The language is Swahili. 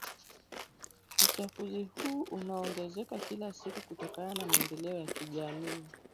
Uchafuzi huu unaongezeka kila siku kutokana na maendeleo ya kijamii